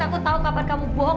aku tahu kapan kamu bohong